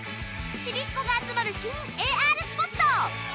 ちびっ子が集まる新 ＡＲ スポット！